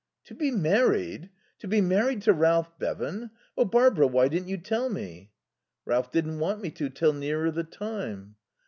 "To be married? To be married to Ralph Bevan? Oh, Barbara, why didn't you tell me?" "Ralph didn't want me to, till nearer the time."